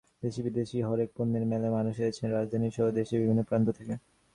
দেশি-বিদেশি হরেক পণ্যের মেলায় মানুষ এসেছেন রাজধানীসহ দেশের বিভিন্ন প্রান্ত থেকে।